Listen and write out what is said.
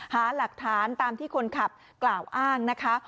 หาหลักฐานตามที่คนขับกล่าวอ้างนะคะ